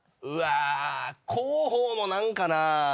広報も何かなぁ。